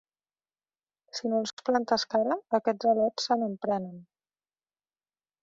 Si no els plantes cara, aquests al·lots se n'emprenen.